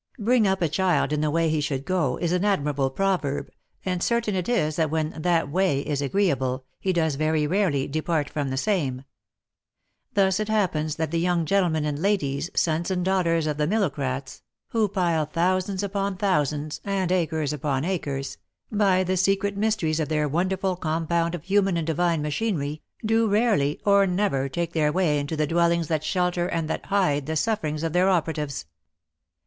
" Bring up a child in the way he should go," is an admirable proverb, and certain it is that when that " way" is agreeable, he does very rarely " depart from the same." Thus it happens that the young gentlemen and ladies, sons and daughters of the millocrats, who pile thousands upon thou sands, and acres upon acres, by the secret mysteries of their wonderful compound of human and divine machinery, do rarely or never take their way into the dwellings that shelter and that hide the sufferings of their operatives.